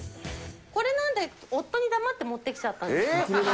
これなんて、夫に黙って持ってきちゃったんです。